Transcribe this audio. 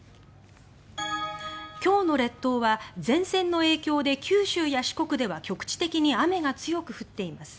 今日の列島は前線の影響で九州や四国では局地的に雨が強く降っています。